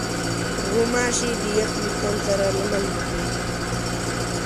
غوماشې د یخ موسم سره له منځه ځي.